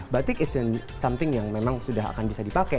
batik itu bukan sesuatu yang memang sudah akan bisa dipakai